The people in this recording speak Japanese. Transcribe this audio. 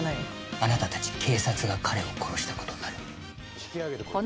あなたたち警察が彼を殺した事になる。